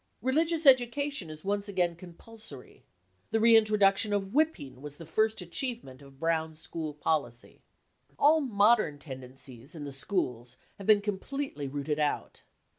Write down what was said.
Religious education is once again compulsory. The reintroduction of whipping was the first achievement of Brown school policy. All modern tendencies in the schools have been com pletely rooted out.